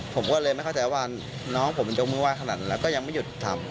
ผมก็เลยไม่เข้าใจว่าน้องผมยกมือไห้ขนาดแล้วก็ยังไม่หยุดทำ